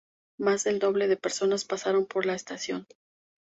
Más del doble de personas pasaron por la estación.